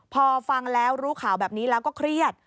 พอฟังแล้วรู้ข่าวแบบนี้แล้วก็เครียด